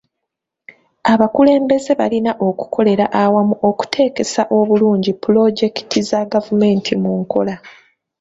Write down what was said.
Abakulembeze balina okukolera awamu okuteekesa obulungi pulojekiti za gavumenti mu nkola.